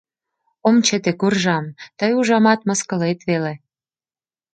Ом чыте, куржам... тый, ужамат, мыскылет веле!..